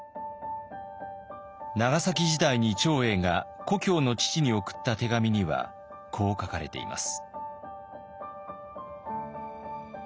長崎時代に長英が故郷の父に送った手紙にはこう書かれています。